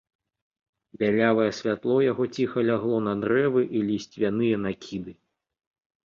Бялявае святло яго ціха лягло на дрэвы і лісцвяныя накіды.